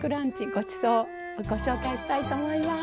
ごちそうご紹介したいと思います。